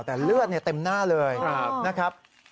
แต่เลือดเต็มหน้าเลยนะครับ